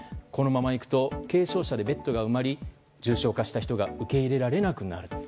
このままいくと軽症者でベッドが埋まり重症化した人が受け入れられなくなる。